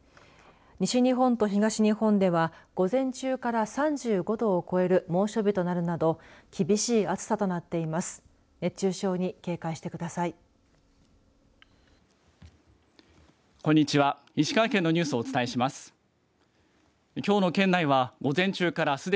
西日本と東日本では午前中から３５度を超える猛暑日となるなど厳しい暑さとなっています。